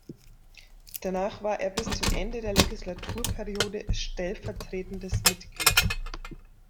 Danach war er bis zum Ende der Legislaturperiode stellvertretendes Mitglied.